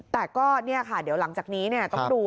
แต่ก็เนี่ยค่ะเดี๋ยวหลังจากนี้ต้องดู